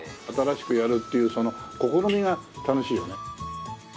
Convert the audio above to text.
新しくやるっていうその試みが楽しいよね。